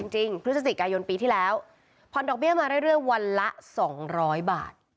พฤศจิกายนปีที่แล้วผ่อนดอกเบี้ยมาเรื่อยวันละ๒๐๐บาท